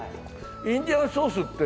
インディアンソースって？